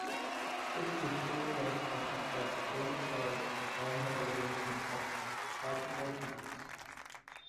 This discovery was part of the so-called November Revolution of particle physics.